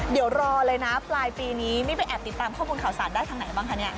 เดี๋ยวรอเลยนะปลายปีนี้นี่ไปแอบติดตามข้อมูลข่าวสารได้ทางไหนบ้างคะเนี่ย